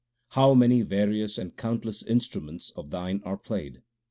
How many various and countless instruments of Thine are played